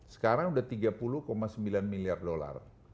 sekarang sudah tiga puluh sembilan miliar dolar